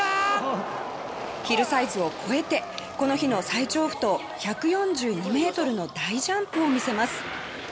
ヒルサイズを越えてこの日の最長不倒１４２ｍの大ジャンプを見せます。